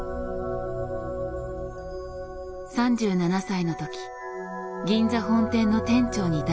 ３７歳の時銀座本店の店長に大抜てき。